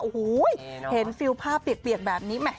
โอ้โหเห็นฟิวผ้าเปียกแบบนี้ไหม